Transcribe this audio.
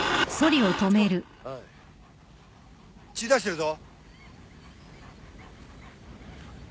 はい血出してるぞ！